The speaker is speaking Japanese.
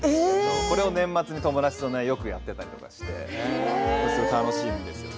これを年末に友達とよくやっていたりして楽しいんですよね。